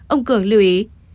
ông cường lưu ý